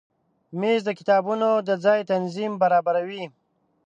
مېز د کتابونو د ځای تنظیم برابروي.